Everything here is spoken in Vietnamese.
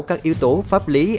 các yếu tố pháp lý